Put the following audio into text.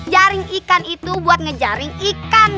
jaring ikan itu buat ngejaring ikan